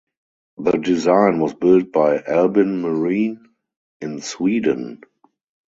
The design was built by Albin Marine in Sweden.